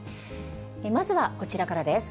まずはこちらからです。